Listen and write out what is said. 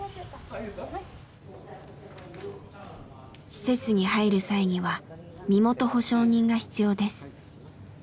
施設に入る際には身元保証人が必要です。